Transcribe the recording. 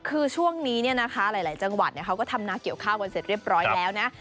คือช่วงนี้เนี่ยนะคะหลายจังหวัดเขาก็ทำนาเกี่ยวข้าวกันเสร็จเรียบร้อยแล้วนะ